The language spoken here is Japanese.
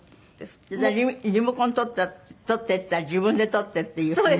じゃあ「リモコン取って」って言ったら「自分で取って」っていう風に？